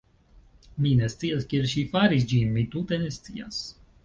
Mi ne scias kiel ŝi faris ĝin, mi tute ne scias!".